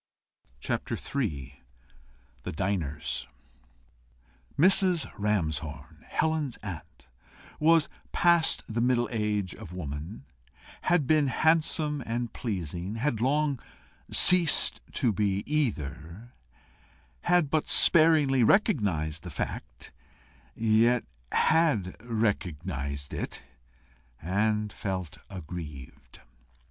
CHAPTER III. THE DINERS. Mrs. Ramshorn, Helen's aunt, was past the middle age of woman; had been handsome and pleasing, had long ceased to be either; had but sparingly recognised the fact, yet had recognised it, and felt aggrieved.